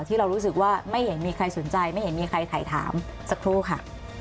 ที่เรารู้สึกว่าไม่เห็นมีใครสนใจไม่เห็นมีใครถ่ายถามสักครู่ค่ะ